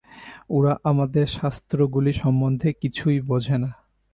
ওরা আমাদের শাস্ত্রগুলি সম্বন্ধে কিছুই বোঝে না।